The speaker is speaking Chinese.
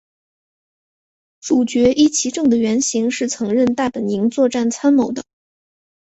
主角壹岐正的原型是曾任大本营作战参谋的。